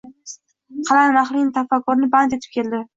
qalam ahlining tafakkurini band etib keldi.